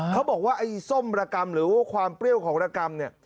เขาบอกว่าส้มระกำหรือความเปรี้ยวของระกำ